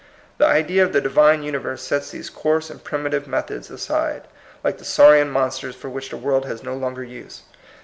The idea of the divine universe sets these coarse and prim itive methods aside, like the saurian mon sters for which the world has no longer use.